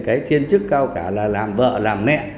cái thiên chức cao cả là làm vợ làm mẹ